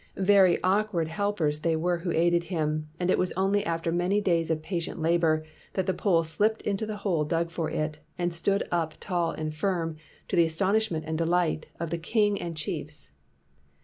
Very awkward helpers they were who aided him, and it was only after many days of patient labor that the pole slipped into the hole dug for it, and stood up tall and firm, to the astonishment and delight of the king and chiefs.